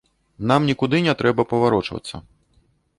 Нам нікуды не трэба паварочвацца.